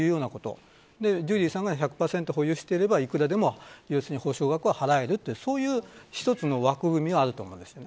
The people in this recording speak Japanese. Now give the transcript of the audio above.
それでジュリーさんが１００％保有していればいくらでも補償額は払えるとそういう一つの枠組みがあると思うんです。